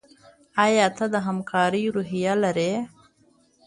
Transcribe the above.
ایا ته د همکارۍ روحیه لرې؟